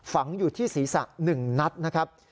ฝังอยู่ที่ศีรษะ๑นัดนะครับ